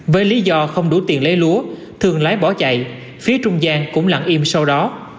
với lý do không đủ tiền lấy lúa thường lái bỏ chạy phía trung gian cũng lặng im sau đó